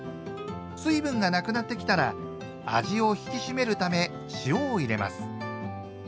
水分がなくなってきたら味を引き締めるため塩を入れます。